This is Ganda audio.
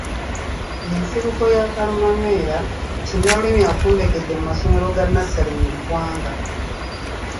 Y’ensibuko ya kalumanywera kinnalulimi afumbekedde mu masomero ga nnassale mu ggwanga.